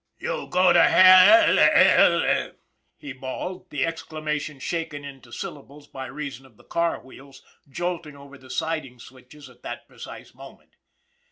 " You go to he ee 11 111 !" he bawled, the exclama tion shaken into syllables by reason of the car wheels jolting over the siding switches at that precise moment.